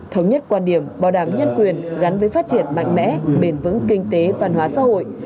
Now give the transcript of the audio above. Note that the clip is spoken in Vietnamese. thống nhất quan điểm bảo đảm nhân quyền gắn với phát triển mạnh mẽ bền vững kinh tế văn hóa xã hội